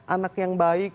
anak yang baik